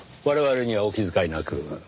我々にはお気遣いなく。